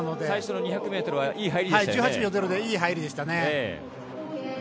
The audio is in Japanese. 最初の２００ｍは１８秒０でいい入りでしたね。